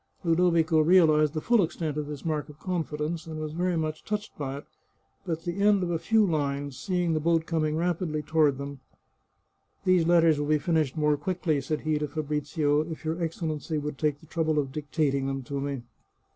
Ludovico realized the full extent of this mark of confidence, and was very much touched by 210 The Chartreuse of Parma it, but at the end of a few lines, seeing the boat coining rapidly toward them —" These letters will be finished more quickly," said he to Fabrizio, " if your Excellency would take the trouble of dictating them to me."